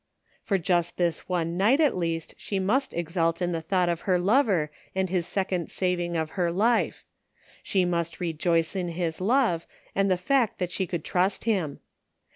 For just this one night at least she must exult in the thought of her lover and his second saving of her life; she must rejoice in his love and the fact that she could trust him.